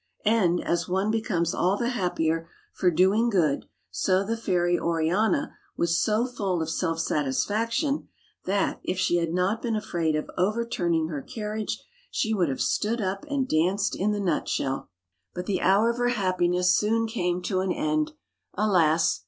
And, as one becomes all the happier for doing good, so the fairy Oriana was so full of self satisfaction that, if she had not been afraid of overturning her carriage, she would have stood up and danced in the nut shell. *39 140 THE FAIRY SPINNING WHEEL But the hour of her happiness soon came to an end. Alas!